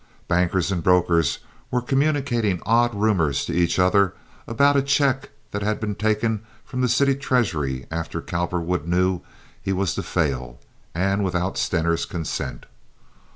Bankers and brokers were communicating odd rumors to each other about a check that had been taken from the city treasury after Cowperwood knew he was to fail, and without Stener's consent.